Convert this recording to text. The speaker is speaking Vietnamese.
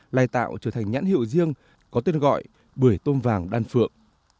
lai tạo trở thành nhãn hiệu riêng có tên gọi bưởi tôm vàng đan phượng